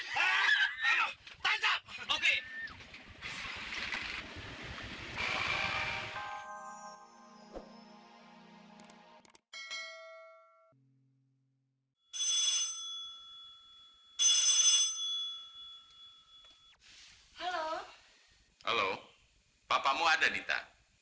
halo papamu ada nita